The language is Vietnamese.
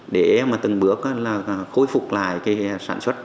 để từng bước khôi phục lại sản xuất